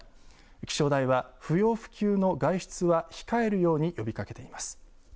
気象台は不要不急の外出は控えるように呼びかけています。